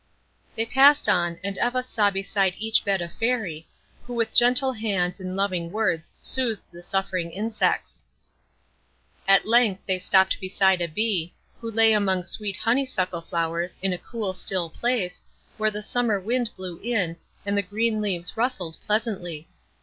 They passed on, and Eva saw beside each bed a Fairy, who with gentle hands and loving words soothed the suffering insects. At length they stopped beside a bee, who lay among sweet honeysuckle flowers, in a cool, still place, where the summer wind blew in, and the green leaves rustled pleasantly.